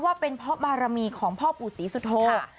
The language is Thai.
ว่าเป็นพ่อบารมีของพ่อปู่ศรีสุโธค่ะ